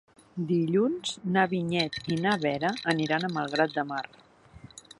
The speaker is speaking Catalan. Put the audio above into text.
Dilluns na Vinyet i na Vera aniran a Malgrat de Mar.